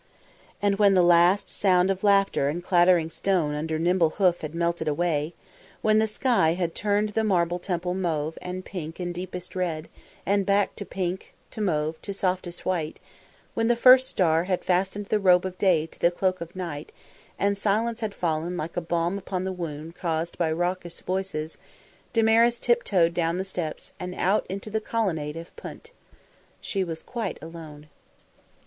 And when the last sound of laughter, and clattering stone under nimble hoof had melted away; when the sky had turned the marble temple mauve and pink and deepest red, and back to pink, to mauve, to softest white; when the first star had fastened the robe of day to the cloak of night, and silence had fallen like balm upon the wound caused by raucous voices, Damaris tip toed down the steps and out into the Colonnade of Punt. She was quite alone.